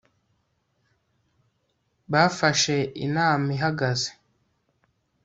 Bafashe inama ihagaze